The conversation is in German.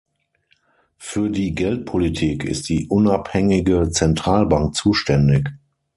Für die Geldpolitik ist die unabhängige Zentralbank zuständig.